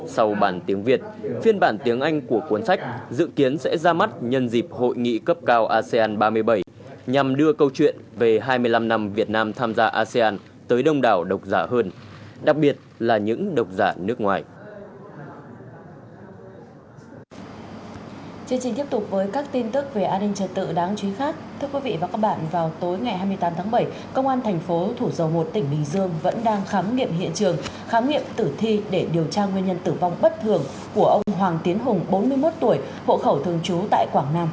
sau bản tiếng việt phiên bản tiếng anh của cuốn sách dự kiến sẽ ra mắt nhân dịp hội nghị cấp cao asean ba mươi bảy nhằm đưa câu chuyện về hai mươi năm năm việt nam tham gia asean tới đông đảo độc giả hơn đặc biệt là những độc giả nước ngoài